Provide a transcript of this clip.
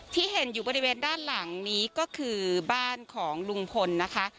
ที่เห็นอยู่บริเวณด้านหลังนี้ก็คือบ้านของลุงพลนะคะ